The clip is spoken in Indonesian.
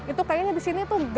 itu kayaknya di sini tuh